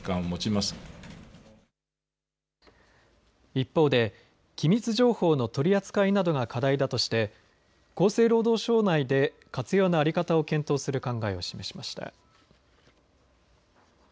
一方で機密情報の取り扱いなどが課題だとして厚生労働省内で活用の在り方を検討する考えを示しました。